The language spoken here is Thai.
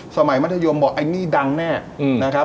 มัธยมบอกไอ้นี่ดังแน่นะครับ